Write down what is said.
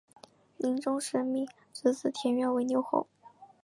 临终时命侄子田悦为留后。